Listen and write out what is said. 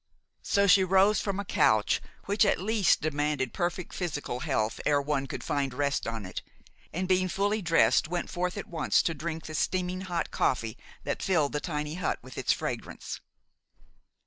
So she rose from a couch which at least demanded perfect physical health ere one could find rest on it, and, being fully dressed, went forth at once to drink the steaming hot coffee that filled the tiny hut with its fragrance.